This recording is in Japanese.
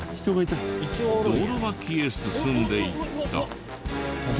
道路脇へ進んでいった。